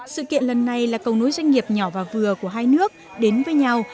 sự kiện lần này là cầu nối doanh nghiệp nhỏ và vừa của hai nước đến với nhau